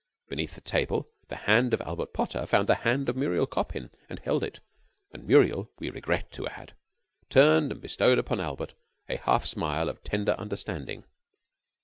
Beneath the table the hand of Albert Potter found the hand of Muriel Coppin, and held it; and Muriel, we regret to add, turned and bestowed upon Albert a half smile of tender understanding.